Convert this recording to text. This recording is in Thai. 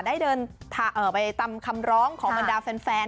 ได้เดินไปตามคำร้องของบรรดาแฟน